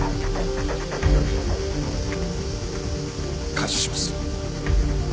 感謝します。